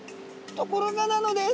ところがなのです！